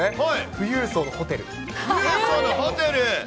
富裕層のホテル？